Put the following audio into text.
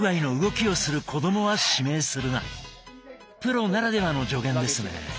プロならではの助言ですね。